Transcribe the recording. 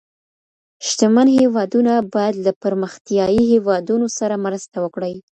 شتمن هیوادونه باید له پرمختیايي هیوادونو سره مرسته وکړي.